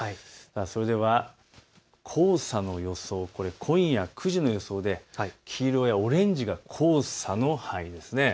それでは黄砂の予想、今夜９時の予想で黄色やオレンジが黄砂の範囲です。